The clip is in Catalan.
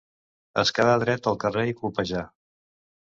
Es quedà dret al carrer i colpejà.